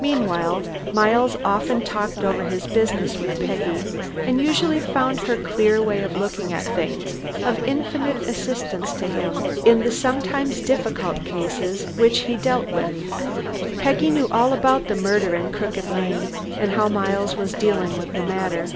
Meanwhile, Miles often talked over his business with Peggy, and usually found her clear way of looking at things of infinite assistance to him in the sometimes difficult cases which he dealt with. Peggy knew all about the murder in Crooked Lane, and how Miles was dealing with the matter.